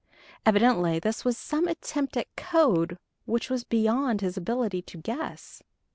Evidently this was some attempt at code which was beyond his ability to guess.